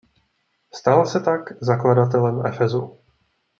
Stal se tak zakladatelem Efesu.